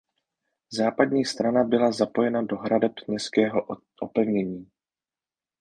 Západní strana byla zapojena do hradeb městského opevnění.